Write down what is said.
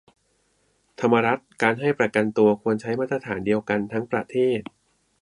ธรรมรัตน์ : การให้ประกันตัวควรใช้มาตรฐานเดียวกันทั้งประเทศ